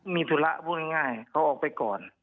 มีธุระพูดง่ายเขาออกไปก่อน